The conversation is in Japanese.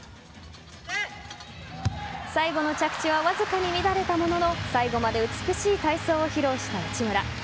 最後の着地はわずかに乱れたものの最後まで美しい体操を披露した内村。